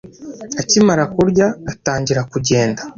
Akimara kurya, atangira kugenda.